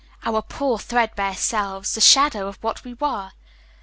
Our poor, threadbare selves, the shadows of what we were!